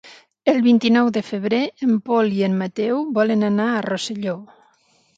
El vint-i-nou de febrer en Pol i en Mateu volen anar a Rosselló.